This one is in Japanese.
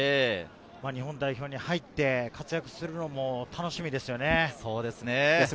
日本代表に入って活躍するのも楽しみですよね。